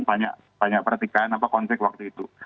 banyak pertikaian atau konteks waktu itu